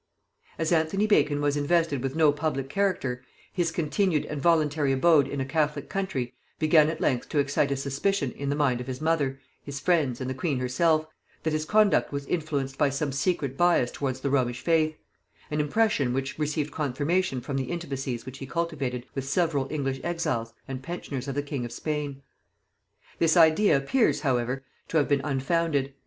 As Anthony Bacon was invested with no public character, his continued and voluntary abode in a catholic country began at length to excite a suspicion in the mind of his mother, his friends, and the queen herself, that his conduct was influenced by some secret bias towards the Romish faith; an impression which received confirmation from the intimacies which he cultivated with several English exiles and pensioners of the king of Spain. This idea appears, however, to have been unfounded.